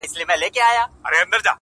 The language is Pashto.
يوه د ميني زنده گي راوړي-